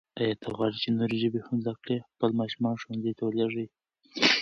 آیا ته غواړې چې نورې ژبې هم زده کړې؟ خپل ماشومان ښوونځیو ته ولېږئ.